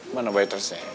mana bayar terus ya